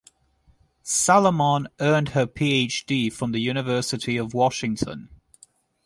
Salomon earned her PhD from the University of Washington.